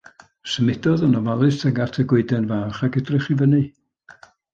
Symudodd yn ofalus tuag at y goeden fach ac edrych i fyny.